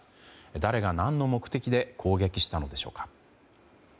誰が、何の目的で攻撃したのでしょうか。